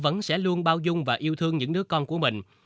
vẫn sẽ luôn bao dung và yêu thương những đứa con của mình